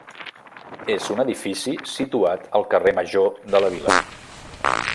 És un edifici situat al carrer Major de la Vila.